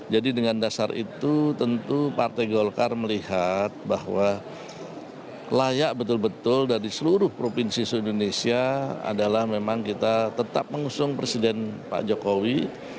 jadi dengan dasar itu tentu partai golkar melihat bahwa layak betul betul dari seluruh provinsi indonesia adalah memang kita tetap mengusung presiden pak jokowi